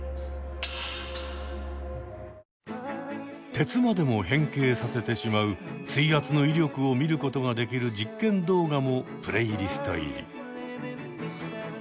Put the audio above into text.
鉄までも変形させてしまう水圧の威力を見ることができる実験動画もプレイリスト入り。